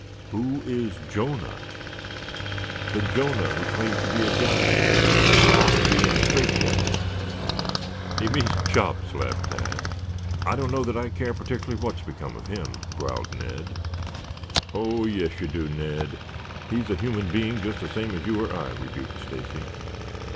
"Who is Jonah?" "The Jonah who claims to be a guide, but who ought to be in a strait jacket." "He means Chops," laughed Tad. "I don't know that I care particularly what has become of him," growled Ned. "Oh, yes you do, Ned. He is a human being just the same as you or I," rebuked Stacy.